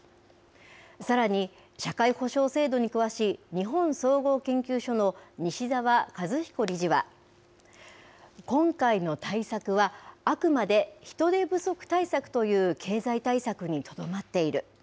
さらに、社会保障制度に詳しい日本総合研究所の西沢和彦理事は、今回の対策はあくまで人手不足対策という経済対策にとどまっている。